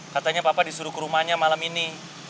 katanya papa disuruh ke rumahnya malam ini